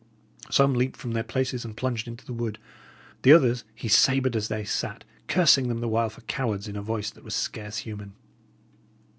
Some leaped from their places and plunged into the wood; the others he sabred as they sat, cursing them the while for cowards in a voice that was scarce human.